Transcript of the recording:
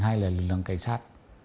hay là lực lượng cảnh sát